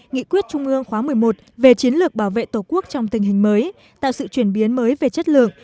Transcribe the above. nghị quyết trung ương khóa một mươi một về chiến lược bảo vệ tổ quốc trong tình hình mới tạo sự chuyển biến mới về chất lượng